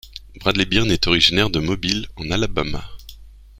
Bradley Byrne est originaire de Mobile en Alabama.